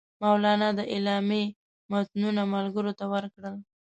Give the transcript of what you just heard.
مولنا د اعلامیې متنونه ملګرو ته ورکړل.